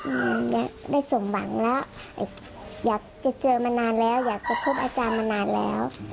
อยากได้สมหวังแล้วอยากจะเจอมานานแล้วอยากจะพบอาจารย์มานานแล้ว